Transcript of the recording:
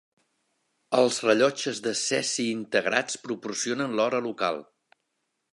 Els rellotges de cesi integrats proporcionen l'hora local.